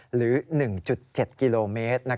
หรือ๑๗กิโลเมตร